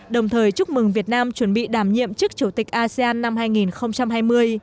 đồng thời chúc mừng việt nam chuẩn bị đảm nhiệm chức chủ tịch asean năm hai nghìn hai mươi